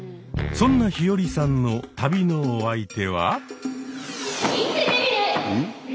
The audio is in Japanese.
そんな陽葵さんの旅のお相手は。